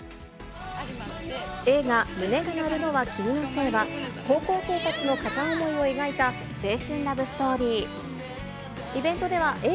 映画、胸が鳴るのは君のせいは、高校生たちの片思いを描いた青春ラブストーリー。